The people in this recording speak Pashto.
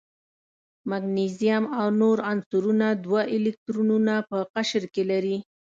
مګنیزیم او نور عنصرونه دوه الکترونه په قشر کې لري.